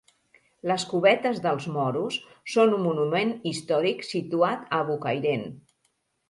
Les Covetes dels Moros són un monument històric situat a Bocairent.